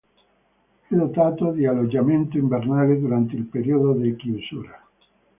È dotato di alloggiamento invernale durante il periodo di chiusura.